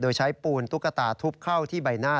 โดยใช้ปูนตุ๊กตาทุบเข้าที่ใบหน้า